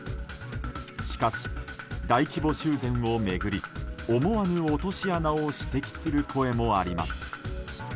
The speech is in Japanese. しかし、大規模修繕を巡り思わぬ落とし穴を指摘する声もあります。